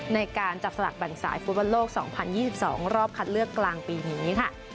ในการจับสลักแบ่งสายฟุตบันโลกสองพันยี่สิบสองรอบคัดเลือกกลางปีนี้ค่ะ